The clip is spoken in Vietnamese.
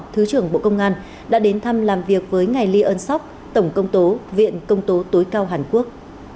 thứ trưởng bộ công an đã đến thăm làm việc với ngài ly ơn tổng công tố viện công tố tối cao hàn quốc